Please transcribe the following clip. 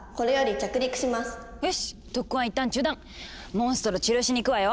モンストロ治療しに行くわよ。